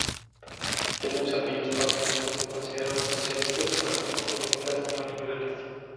Denuncia aquellos partidos que se consideran "socialistas y practican políticas neoliberales".